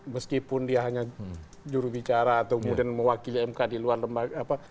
meskipun dia hanya jurubicara atau kemudian mewakili mk di luar lembaga apa